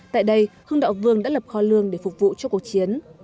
tại đây hương đạo vương đã lập kho lương để phục vụ cho cuộc chiến